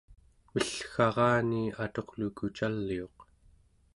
mellgarani aturluku caliuq